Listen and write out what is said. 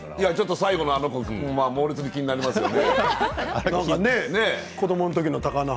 最後のあの子猛烈に気になりますね。